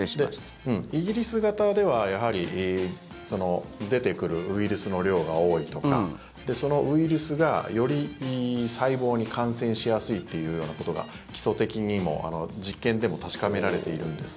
イギリス型では出てくるウイルスの量が多いとかそのウイルスが、より細胞に感染しやすいというようなことが基礎的にも、実験でも確かめられているんです。